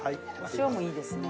お塩もいいですね。